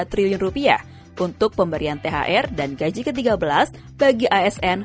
pemerintah menyiapkan anggaran rp tiga puluh empat tiga triliun untuk pemberian thr dan gaji ke tiga belas bagi asn pns dan pensiunan